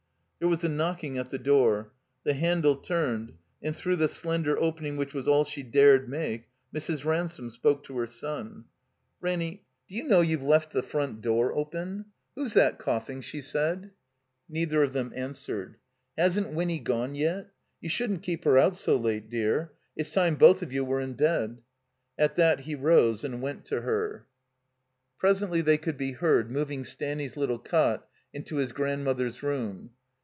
There was a knocking at the door. The handle turned, and through the slender opening which was all she dared make, Mrs. Ransome spoke to her son. "Ranny, do you know you've left the front door open? Who's that coughing?" she said. 390 THE COMBINED MAZE Neither of them answered. "Hasn't Winny gone yet? You shouldn't keep her out so late, dear. It's time both of you were in bed." At that he rose and went to her. Presently they could be heard moving Staxmy's little cot into his grandmother's room.